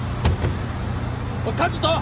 おい和人！